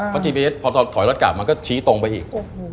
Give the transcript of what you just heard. พอถอยรถกลับมันก็ชี้ตรงไปอีก